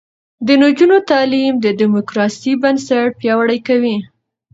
د نجونو تعلیم د دیموکراسۍ بنسټ پیاوړی کوي.